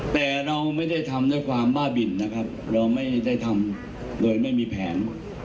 แต่เราไม่ได้ทำด้วยความบ้าบินนะครับเราไม่ได้ทำโดยไม่มีแผน